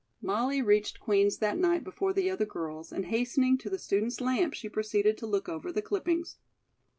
Molly reached Queen's that night before the other girls, and hastening to the student's lamp, she proceeded to look over the clippings.